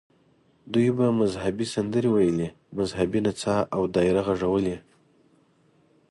دوی به مذهبي سندرې ویلې، مذهبي نڅا او دایره غږول یې.